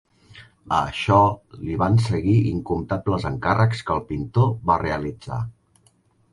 A això li van seguir incomptables encàrrecs que el pintor va realitzar.